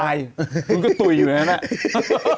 ไปมึงก็ตุ๋ยอยู่ในนั้นแม่